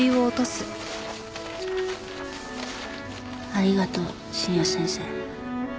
ありがとう深夜先生。